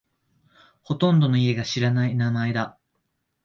ほとんどの家が知らない名前だ。